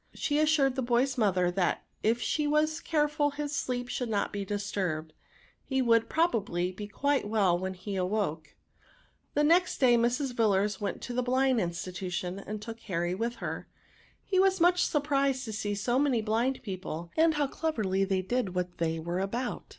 She assured the boy's mother that if she was careful his sleep should not be disturbed, he would, probably, be quite well when he awoke. The next day Mrs. Villars went to the NOUNS 133 Blind Institution, and took Harry with her. He was mucli surprised to see so many blind people, and how cleverly they did what they were about.